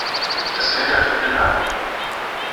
Das Kind hat viele Namen.